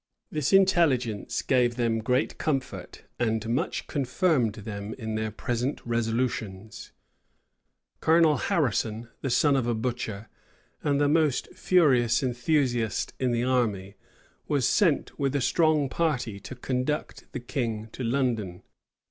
This intelligence gave them great comfort, and much confirmed them in their present resolutions.[*] * Whitlocke, p. 360. Colonel Harrison, the son of a butcher, and the most furious enthusiast in the army, was sent with a strong party to conduct the king to London.